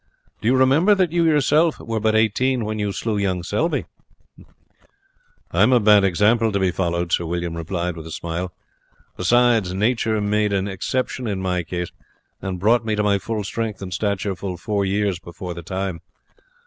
Do you not remember that you yourself were but eighteen when you slew young Selbye?" "I am a bad example to be followed," Sir William replied with a smile; "besides, nature made an exception in my case and brought me to my full strength and stature full four years before the time.